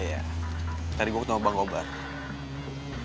iya tadi gue ke tongo bang mrs